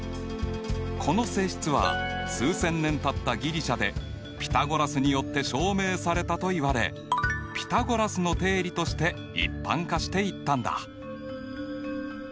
この性質は数千年たったギリシャでピタゴラスによって証明されたといわれピタゴラスの定理として一般化していったんだ。